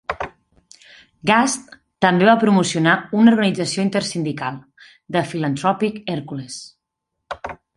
Gast també va promocionar una organització intersindical: "The Philanthropic Hercules".